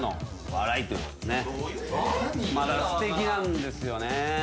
だからすてきなんですよね。